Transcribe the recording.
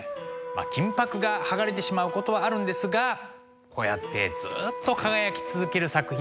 金箔が剥がれてしまうことはあるんですがこうやってずっと輝き続ける作品もたくさんあります。